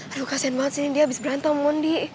aduh kasian banget cindy dia habis berantem mondi